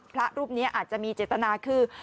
พระรูปนี้อาจจะมีเจตนาคือ